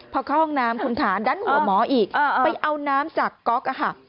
พอเข้าห้องน้ำคุณฐานดันหัวหมออีกไปเอาน้ำจากก๊อกอะค่ะ